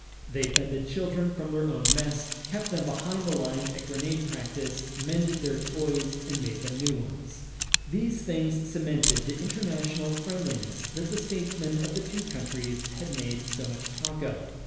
They fed the children from their own mess, kept them behind the lines at grenade practice, mended their toys and made them new ones. These things cemented the international friendliness that the statesmen of the two countries had made so much talk of.